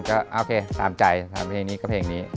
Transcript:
ก็โอเคตามใจถามเพลงนี้ก็เพลงนี้